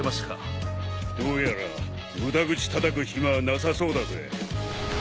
どうやら無駄口たたく暇はなさそうだぜ。